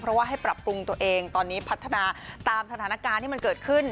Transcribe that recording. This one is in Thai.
เพราะว่าให้ปรับปรุงตัวเองตอนนี้พัฒนาตามสถานการณ์ที่มันเกิดขึ้น